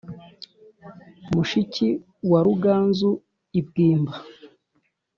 mushiki wa ruganzu i bwimba.